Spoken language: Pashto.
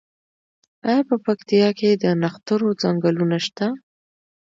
آیا په پکتیا کې د نښترو ځنګلونه شته؟